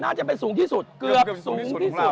น่าจะไปสูงที่สุดเกือบสูงที่สุด